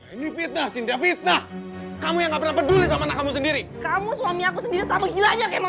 ini pita pita kamu yang nggak peduli sama kamu sendiri kamu suami aku sendiri sama gilanya kamu